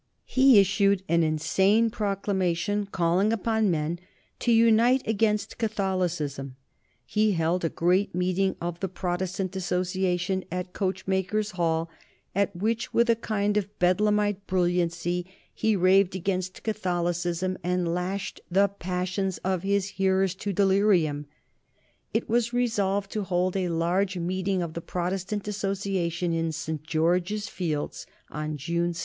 He issued an insane proclamation calling upon men to unite against Catholicism; he held a great meeting of the Protestant Association at Coachmakers' Hall, at which with a kind of Bedlamite brilliancy he raved against Catholicism and lashed the passions of his hearers to delirium. It was resolved to hold a huge meeting of the Protestant Association in St. George's Fields on June 2.